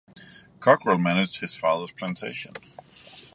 Cockrell managed his father's plantation.